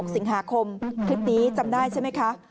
สิงหาคมคลิปนี้จำได้ใช่ไหมคะ